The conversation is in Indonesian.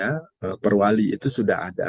karena perwali itu sudah ada